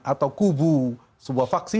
atau kubu sebuah vaksi